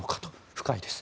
深いです。